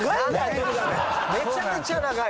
めちゃめちゃ長い。